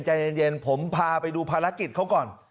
ใจเย็นผมพาไปดูภารกิจเขาก่อน